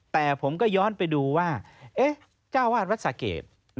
แต่ผมก็ย้อนไปดูว่าเจ้าวาดวัดสะเกด